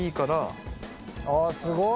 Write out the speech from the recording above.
あすごい！